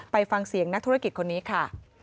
ไปฟังเสียงนักธุรกิจคนนี้ค่ะ